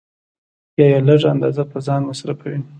یا یې لږ اندازه په ځان مصرفوي